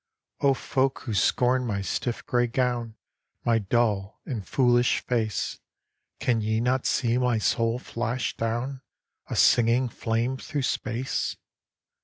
O folk who scorn my stiff gray gown, My dull and foolish face, Can ye not see my soul flash down,A singing flame through space?